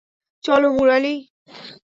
চলো, মুরালী।